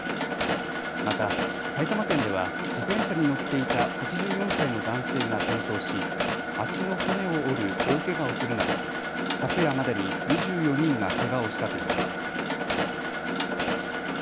また、埼玉県では自転車に乗っていた８４歳の男性が転倒し足の骨を折る大けがをするなど昨夜までに２４人がけがをしたということです。